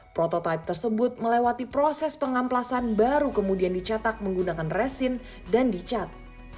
prototipe tersebut melewati proses pengamplasan baru kemudian dicetak menggunakan resin dan dicat